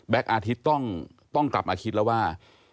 อาทิตย์ต้องกลับมาคิดแล้วว่า